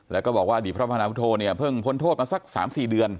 แล้วก็บอกว่าอดีตพระพนาวุโธเนี่ยเพิ่งพ้นโทษมาสัก๓๔เดือน